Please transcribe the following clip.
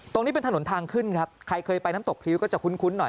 ตรงนี้เป็นถนนทางขึ้นครับใครเคยไปน้ำตกพริ้วก็จะคุ้นหน่อย